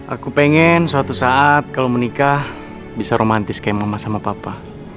aku pengen suatu saat kalau menikah bisa romantis kayak mama sama papa